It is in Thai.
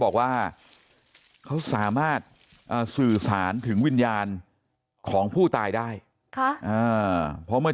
บอกว่าเขาสามารถสื่อสารถึงวิญญาณของผู้ตายได้ค่ะเพราะเมื่อ